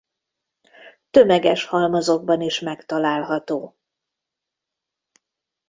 Tömeges halmazokban is megtalálható.